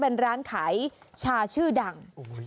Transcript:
ออกฝรั่ง